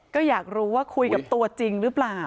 ก็อยากรู้ว่าคุยกับตัวจริงหรือเปล่า